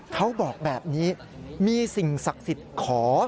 เขาบอกแบบนี้มีสิ่งศักดิ์สิทธิ์ขอ